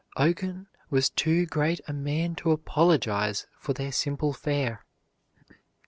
Oken was too great a man to apologize for their simple fare.